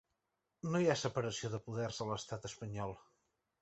No hi ha separació de poders a l’estat espanyol.